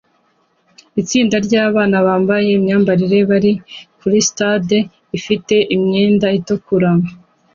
Itsinda ryabana bambaye imyambarire bari kuri stade ifite umwenda utukura